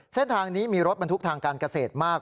เส้นทางนี้มีรถบรรทุกทางการเกษตรมาก